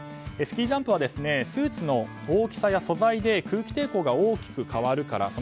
スキージャンプはスーツの大きさや素材で空気抵抗が大きく変わるから。